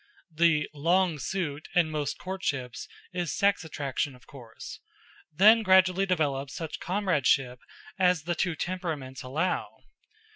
The "long suit" in most courtships is sex attraction, of course. Then gradually develops such comradeship as the two temperaments allow.